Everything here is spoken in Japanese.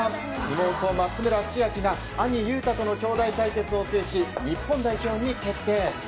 妹・松村千秋が兄・雄太とのきょうだい対決を制し日本代表に決定。